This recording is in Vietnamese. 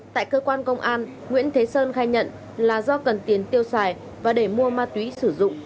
tại cơ quan công an nguyễn thế sơn khai nhận là do cần tiền tiêu xài và để mua ma túy sử dụng